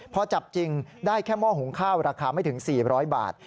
พอจับจริงได้แค่หม้อหุงข้าวราคาไม่ถึง๔๐๐บาท